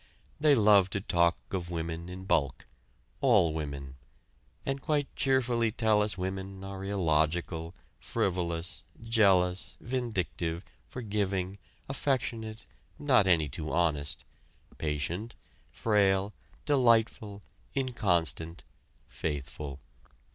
They love to talk of women in bulk, all women and quite cheerfully tell us women are illogical, frivolous, jealous, vindictive, forgiving, affectionate, not any too honest, patient, frail, delightful, inconstant, faithful.